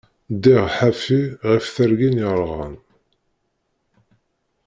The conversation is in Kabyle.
Ddiɣ ḥafi ɣef tergin yerɣan.